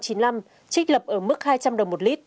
trích lập ở mức hai trăm linh đồng một lít